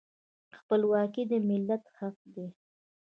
خپلواکي د ملت حق دی.